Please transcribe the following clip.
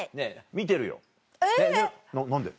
見てるよ。